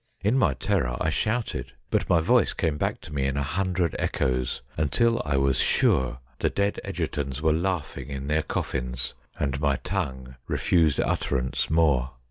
In my terror I shouted, but my voice came back to me in a hundred echoes, until I was sure the dead Egertons were laughing in their coffins, and my tongue refused utterance more.